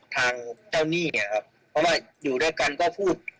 ทางเจ้าหนี้ไงครับเพราะว่าอยู่ด้วยกันก็พูด